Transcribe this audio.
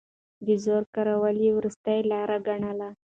د زور کارول يې وروستۍ لاره ګڼله.